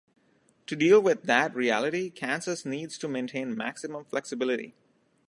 To deal with that reality Kansas needs to maintain maximum flexibility.